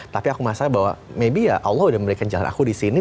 tapi aku merasa bahwa maybe ya allah udah memberikan jalan aku di sini